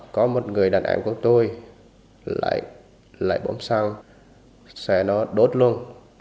có một người đàn em của tôi lại bỏ xăng xe nó đốt luôn